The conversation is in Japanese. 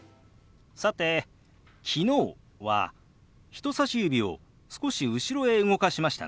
さて「昨日」は人さし指を少し後ろへ動かしましたね。